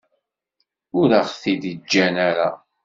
Ur aɣ-t-id-ǧǧan ara.